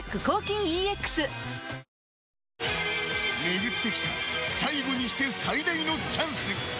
巡ってきた最後にして最大のチャンス。